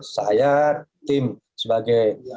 saya tim sebagai